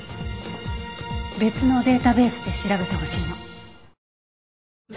別のデータベースで調べてほしいの。